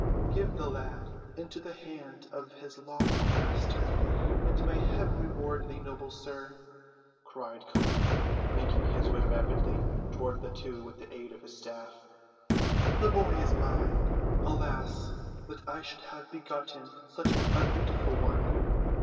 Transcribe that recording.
"Give the lad into the hand of his lawful master, and may heaven reward thee, noble sir," cried Chelluh, making his way rapidly toward the two with the aid of his staff. "The boy is mine—alas, that I should have begotten such an undutiful one.